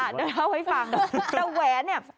เดี๋ยวเข้าไปฟังน้องแหวนเนี่ย